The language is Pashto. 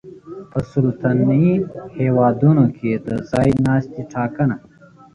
په سلطنتي هېوادونو کې د ځای ناستي ټاکنه